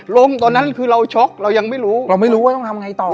ตอนนั้นคือเราช็อกเรายังไม่รู้เราไม่รู้ว่าต้องทำไงต่อ